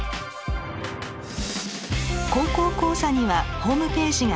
「高校講座」にはホームページがあります。